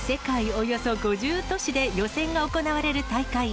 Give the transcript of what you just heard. およそ５０都市で予選が行われる大会。